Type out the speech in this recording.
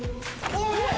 おい！